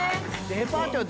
デパートよ。